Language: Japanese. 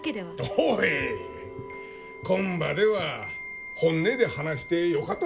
おいこん場では本音で話してよかったっど？